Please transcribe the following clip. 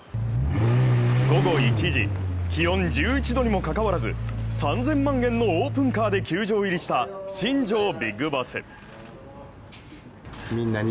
午後１時、気温１１度にもかかわらず３０００万円のオープンカーで球場入りした新庄ＢＩＧＢＯＳＳ。